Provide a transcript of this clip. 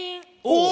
お！